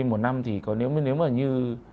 một năm thì có nếu mà như